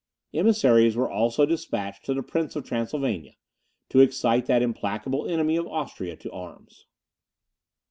Emissaries were also despatched to the Prince of Transylvania, to excite that implacable enemy of Austria to arms.